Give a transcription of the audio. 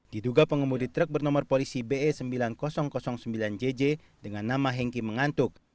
diduga pengemudi truk bernomor polisi be sembilan ribu sembilan jj dengan nama hengki mengantuk